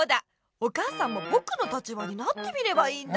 お母さんもぼくの立場になってみればいいんだ。